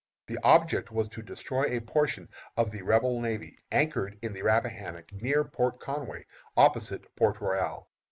The object was to destroy a portion of the Rebel navy anchored in the Rappahannock, near Port Conway, opposite Port Royal.